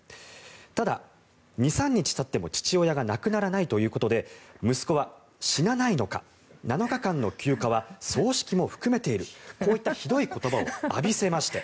ただ、２３日たっても父親が亡くならないということで息子は死なないのか７日間の休暇は葬式も含めているこういったひどい言葉を浴びせまして。